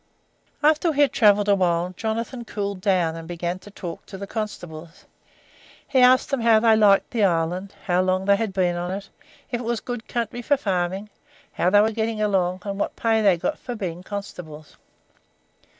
"After we had travelled awhile Jonathan cooled down and began to talk to the constables. He asked them how they liked the island, how long they had been in it, if it was a good country for farming, how they were getting along, and what pay they got for being constables.